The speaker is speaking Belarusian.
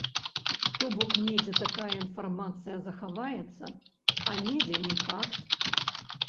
То бок недзе такая інфармацыя захаваецца, а недзе не факт.